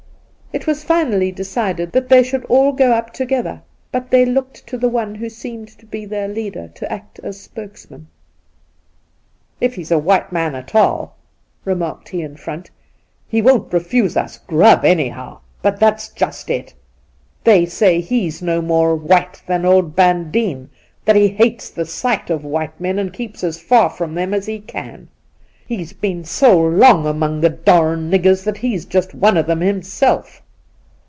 It was finally decided that they should all go up together, but they looked to the one who seemed to be their leader to act as spokesman. ' If he's a white man at all,' remarked he in front, ' he won't refuse us grub, anyhow ; but that's just it. They say he's no more white than old Bandine, that he hates the sight of white men, and keeps as far from them as he can. He's been so long among the darned niggers that he's just one of them himself.'